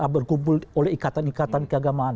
berkumpul oleh ikatan ikatan keagamaan